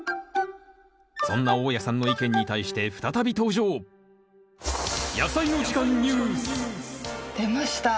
そんな大家さんの意見に対して再び登場出ました。